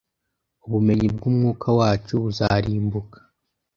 Ubumenyi bw'umwuka wacu buzarimbuka